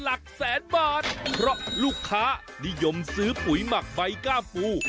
หลักแสนบาทเพราะลูกค้านิยมซื้อปุ๋ยหมักใบก้ามปู